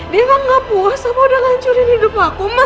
dia bakal nggak puas atau udah ngancurin hidup aku mbak